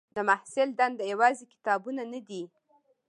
د محصل دنده یوازې کتابونه نه دي.